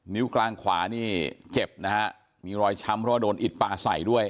กลางขวานี่เจ็บนะฮะมีรอยช้ำเพราะว่าโดนอิดปลาใส่ด้วย